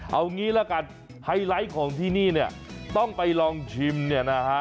เอางี้ละกันไฮไลท์ของที่นี่เนี่ยต้องไปลองชิมเนี่ยนะฮะ